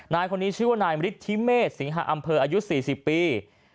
นายคนนี้ชื่อว่านายมฤทธิเมษสิงหาอำเภออายุ๔๐ปี